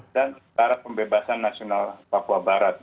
dan para pembebasan nasional papua barat